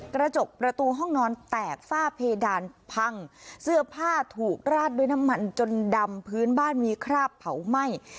กระจกประตูห้องนอนแตกฝ้าเพดานพังเสื้อผ้าถูกราดด้วยน้ำมันจนดำพื้นบ้านมีคราบเผาไหม้